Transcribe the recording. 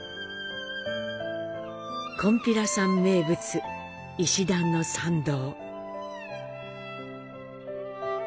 「こんぴらさん」名物、石段の参道。